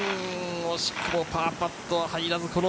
惜しくもパーパットは入らず。